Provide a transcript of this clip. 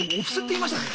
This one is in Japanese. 言いましたね。